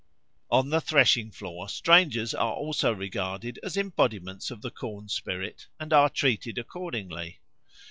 On the threshing floor strangers are also regarded as embodiments of the corn spirit, and are treated accordingly.